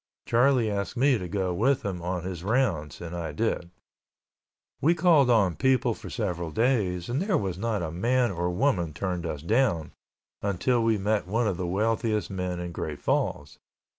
Charlie asked me to go with him on his rounds, and I did. We called on people for several days and there was not a man or woman turned us down, until we met one of the wealthiest men in Great Falls.